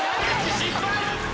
失敗！